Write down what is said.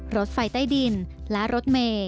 รถไฟใต้ดินและรถเมย์